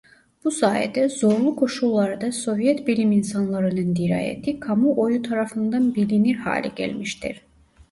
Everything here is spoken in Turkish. Bu sayede zorlu koşullarda Sovyet bilim insanlarının dirayeti kamuoyu tarafından bilinir hale gelmiştir.